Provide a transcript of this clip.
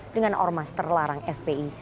dengan ormas terlarang fpi